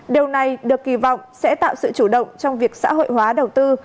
điều này được kỳ vọng sẽ tạo sự chủ động trong việc xã hội hóa đầu tư